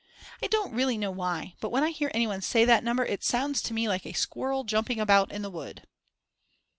I don't really know why, but when I hear anyone say that number it sounds to me like a squirrel jumping about in the wood.